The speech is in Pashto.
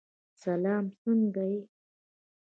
سلام! څنګه یې؟